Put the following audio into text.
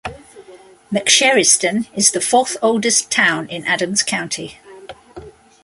McSherrystown is the fourth oldest town in Adams County.